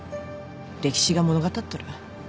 歴史が物語っとる。